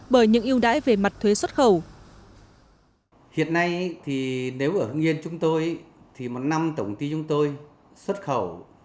bởi những ưu đãi về mặt thuế xuất khẩu